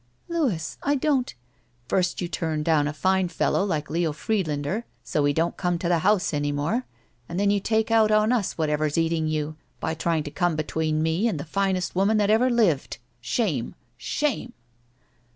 ''Louis— I don't—" "First you turn down a fine fellow like Leo Fried lander, so he don't come to the house any more, and then you take out on us whatever is eating you, by trying to come between me and the finest woman that ever lived. Shame ! Shame